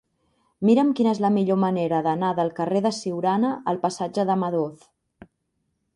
Mira'm quina és la millor manera d'anar del carrer de Siurana al passatge de Madoz.